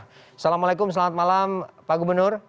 assalamualaikum selamat malam pak gubernur